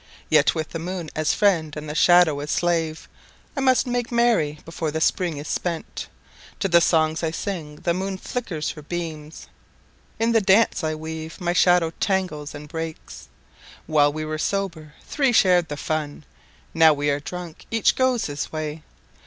Yet with the moon as friend and the shadow as slave I must make merry before the Spring is spent. To the songs I sing the moon flickers her beams; In the dance I weave my shadow tangles and breaks. While we were sober, three shared the fun; Now we are drunk, each goes his way.